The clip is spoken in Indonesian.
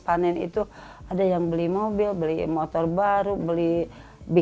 panen itu ada yang beli mobil beli motor baru beli bikin mobil beli mobil beli mobil beli mobil beli mobil